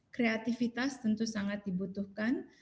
kreativitas tentu sangat dibutuhkan